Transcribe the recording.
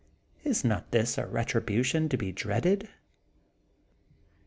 Is not this a retribution to be dreaded?